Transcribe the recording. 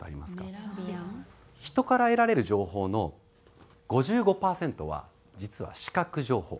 人から得られる情報の５５パーセントは実は視覚情報。